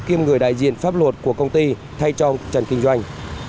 kiêm người đại diện pháp luật của công ty thay trần kinh doanh